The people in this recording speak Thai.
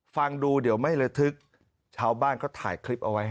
ฟังดูเดี๋ยวไม่ระทึกชาวบ้านก็ถ่ายคลิปเอาไว้